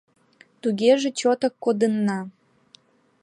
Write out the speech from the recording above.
— Тугеже чотак кодынна.